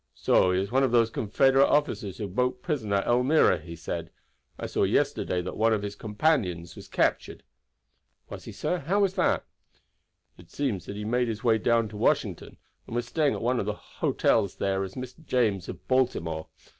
"So he is one of those Confederate officers who broke prison at Elmira," he said. "I saw yesterday that one of his companions was captured." "Was he, sir? How was that?" "It seems that he had made his way down to Washington, and was staying at one of the hotels there as a Mr. James of Baltimore.